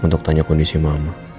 untuk tanya kondisi mama